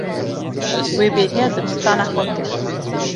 Wê bêriya dibistana xwe kir.